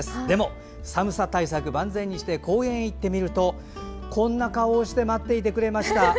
でも寒さ対策万全にして公園へ行ってみるとこんな顔をして待っていてくれました。